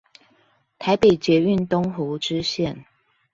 台北捷運東湖支線